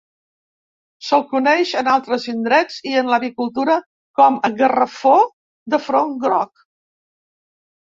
Se'l coneix en altres indrets i en l'avicultura com a garrafó de front groc.